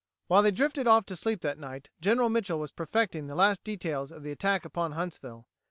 While they drifted off to sleep that night, General Mitchel was perfecting the last details of the attack upon Huntsville.